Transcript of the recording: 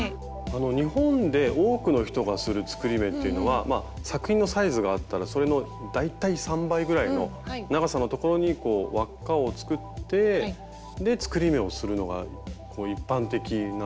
日本で多くの人がする作り目っていうのは作品のサイズがあったらそれの大体３倍ぐらいの長さのところにこう輪っかを作って作り目をするのが一般的なんですけど。